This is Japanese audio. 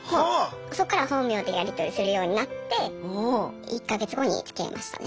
そっからは本名でやり取りするようになって１か月後につきあいましたね。